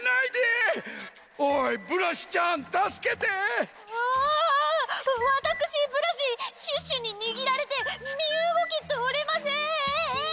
おおおおわたくしブラシシュッシュににぎられてみうごきとれません！